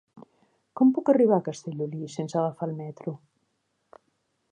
Com puc arribar a Castellolí sense agafar el metro?